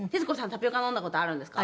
タピオカ飲んだ事あるんですか？